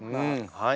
はい。